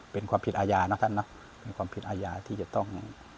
เป็นความผิดอาญานะท่านนะเป็นความผิดอาญาที่จะต้อง